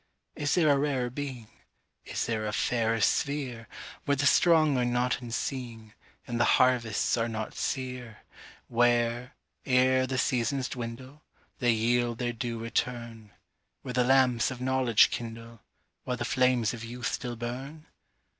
Is there a rarer being, Is there a fairer sphereWhere the strong are not unseeing, And the harvests are not sere; Where, ere the seasons dwindle, They yield their due return; Where the lamps of knowledge kindleWhile the flames of youth still burn?